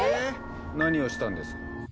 何をしたんです？